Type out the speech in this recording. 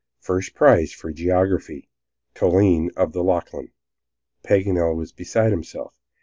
First Prize for Geography. Toline of the Lachlan." Paganel was beside himself.